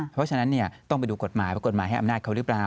เพราะฉะนั้นต้องไปดูกฎหมายว่ากฎหมายให้อำนาจเขาหรือเปล่า